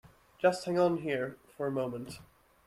Just hang on here for a moment.